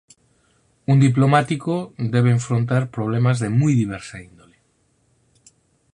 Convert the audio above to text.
Un diplomático debe enfrontar problemas de moi diversa índole.